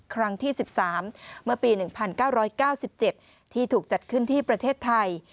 ครั้งที่๑๓เมื่อปี๑๙๙๗ที่ถูกจัดขึ้นที่ประเทศไทย